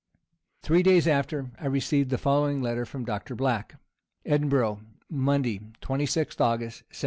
Three days after, I received the following letter from Dr. Black: "Edinburgh, Monday, 26th August, 1776.